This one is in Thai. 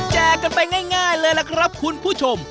กันไปง่ายเลยล่ะครับคุณผู้ชม